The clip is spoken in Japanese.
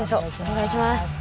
お願いします。